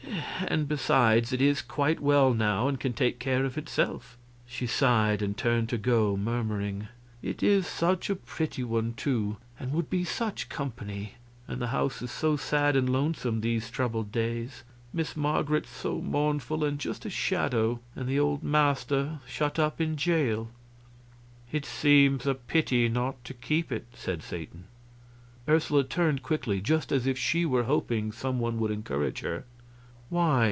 And, besides, it is quite well now and can take care of itself." She sighed, and turned to go, murmuring: "It is such a pretty one, too, and would be such company and the house is so sad and lonesome these troubled days... Miss Marget so mournful and just a shadow, and the old master shut up in jail." "It seems a pity not to keep it," said Satan. Ursula turned quickly just as if she were hoping some one would encourage her. "Why?"